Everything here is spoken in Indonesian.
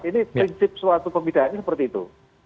ini prinsip suatu pembidaannya seperti itu